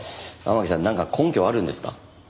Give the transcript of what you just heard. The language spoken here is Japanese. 天樹さんなんか根拠あるんですか？